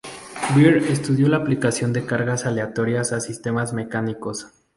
Beer estudió la aplicación de cargas aleatorias a sistemas mecánicos.